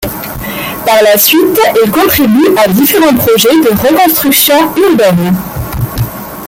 Par la suite, il contribue à différents projets de reconstruction urbaine.